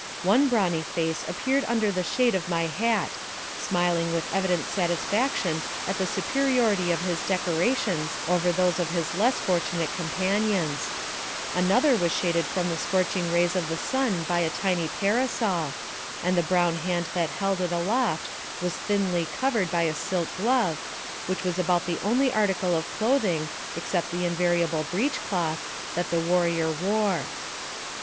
One brawny face appeared under the shade of ray hat, smiling with evident satis faction at the superiority of his decorations over those 80 NAKKATIVE OF CAPTIVITY of his less fortunate companions; another was shaded from the scorching rays of the sun by a tiny parasol, and the brown hand that held it aloft was thinly cov ered by a silk glove, which was about the only article of clothing, except the invariable breech cloth, that the warrior wore.